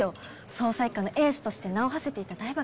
捜査一課のエースとして名をはせていた台場